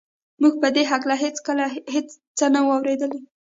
موږ په دې هکله هېڅکله څه نه وو اورېدلي